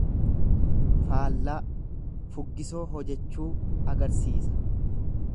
Faallaa, fuggisoo hojechuu agarsiisa.